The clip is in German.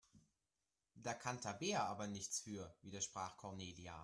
Da kann Tabea aber nichts für, widersprach Cornelia.